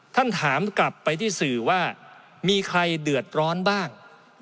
ท่านถามกลับไปที่สื่อว่ามีใครเดือดร้อนบ้าง